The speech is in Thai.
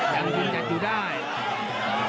แดงจุดิต่อย